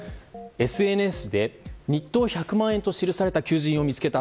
ＳＮＳで日当１００万円と記された求人を見つけた。